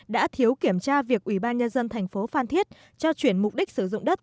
đã thiếu kiểm tra việc ủy ban nhân dân thành phố phan thiết cho chuyển mục đích sử dụng đất